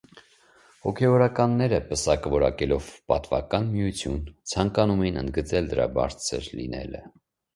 Հոգևորականները, պսակը որակելով պատվական միություն, ցանկանում էին ընդգծել դրա բարձր լինելը։